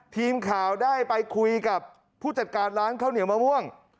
ทีมข่าวได้ไปคุยกับผู้จัดการร้านข้าวเหนียวมะม่วง